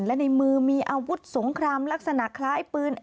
และในมือมีอาวุธสงครามลักษณะคล้ายปืน